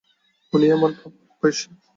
উনি আমার বাবার বয়সী।